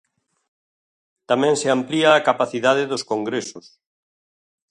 Tamén se amplía a capacidade dos congresos.